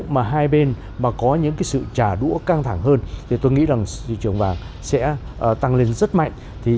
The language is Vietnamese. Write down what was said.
mà hai bên có những sự trả đũa căng thẳng hơn thì tôi nghĩ rằng thị trường vàng sẽ tăng lên rất mạnh